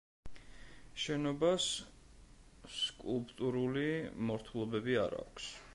შენობას სკულპტურული მორთულობები არ აქვს.